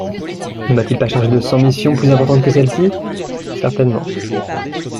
Ne m'a-t-il pas chargé de cent missions plus importantes que celle-ci ? Certainement.